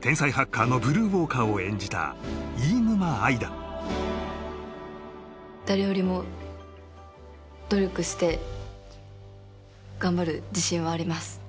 天才ハッカーのブルーウォーカーを演じた飯沼愛だ誰よりも努力して頑張る自信はあります